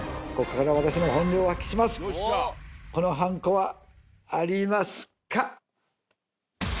このはんこはありますか？